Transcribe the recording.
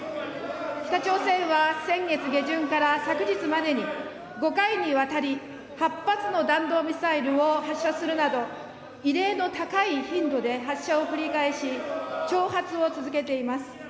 北朝鮮は先月下旬から昨日までに５回にわたり、８発の弾道ミサイルを発射するなど、異例の高い頻度で発射を繰り返し、挑発を続けています。